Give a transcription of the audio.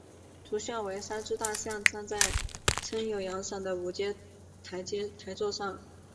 图像为三只大象站在撑有阳伞的五阶台座上。